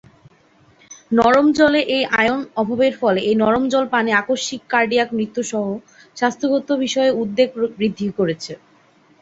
নরম জলে এই আয়ন অভাবের ফলে এই নরম জল পানে আকস্মিক কার্ডিয়াক মৃত্যুর সহ স্বাস্থ্যগত বিষয়ে উদ্বেগ বৃদ্ধি করেছে।